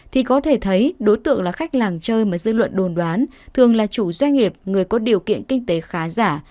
thì có thể thấy đối tượng là khách làng chơi mà dư luận đồn đoán thường là chủ doanh nghiệp người có điều kiện kinh tế khá giả